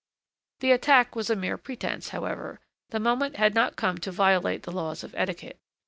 The attack was a mere pretence, however: the moment had not come to violate the laws of etiquette.